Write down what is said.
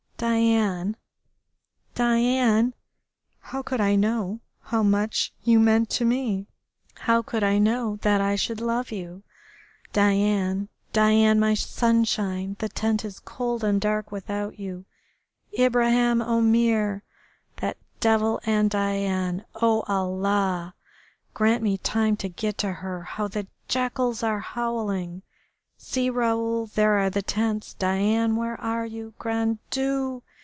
Diane, Diane, how could I know how much you meant to me? How could I know that I should love you?... Diane, Diane, my sunshine. The tent is cold and dark without you.... Ibraheim Omair! That devil and Diane! Oh, Allah! Grant me time to get to her.... How the jackals are howling.... See, Raoul, there are the tents.... Diane, where are you?... Grand Dieu!